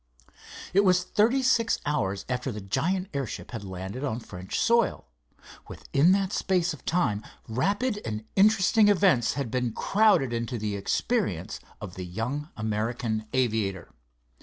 It was thirty six hours after the giant airship had landed on French soil. Within that space of time rapid and interesting events had been crowded into the experience of the young American aviator.